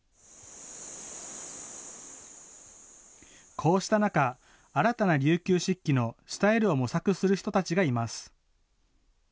こうした中、新たな琉球漆器のスタイルを模索する人たちがいます。